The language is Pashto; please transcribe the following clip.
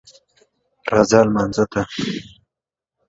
راځه لمانځه ته